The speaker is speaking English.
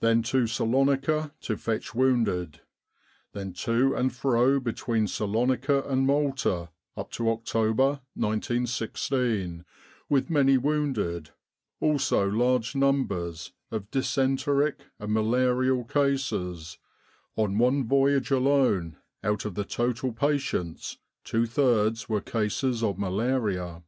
Then to Salonika to fetch wounded. Then to and fro between Salonika and Malta up to October, 1916, with many wounded, also large numbers of dysenteric and malarial cases (on one voyage alone, out of the total patients, two thirds were cases of malaria).